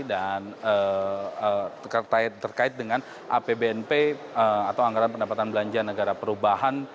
dan terkait dengan apbnp atau anggaran pendapatan belanja negara perubahan